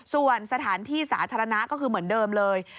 ส่วนสถานที่สาธารณะก็คือเหมือนเดิมเลย